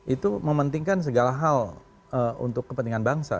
itu mementingkan segala hal untuk kepentingan bangsa